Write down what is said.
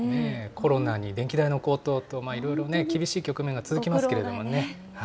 コロナに電気代の高騰と、いろいろね、厳しい局面が続きますけどね。